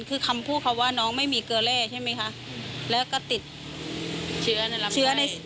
คือคำพูดเขาว่าน้องไม่มีเกลือเล่ใช่ไหมคะแล้วก็ติดเชื้อในรับเชื้อใน